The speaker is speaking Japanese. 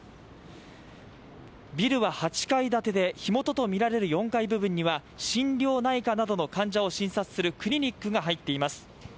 ビルは８階建てで、火元とみられる４階部分には心療内科などの患者を診察するクリニックが入っています。